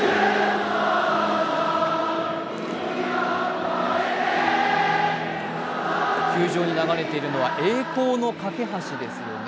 栄光の架橋球場に流れているのは「栄光の架橋」ですよね。